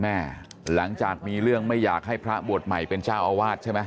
หลังจากมีเรื่องไม่อยากให้พระบวชใหม่เป็นเจ้าอาวาสใช่ไหม